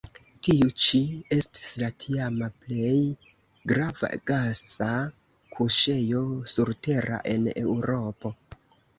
Tiu ĉi estis la tiama plej grava gasa kuŝejo surtera en Eŭropo.